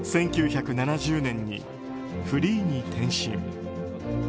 １９７０年にフリーに転身。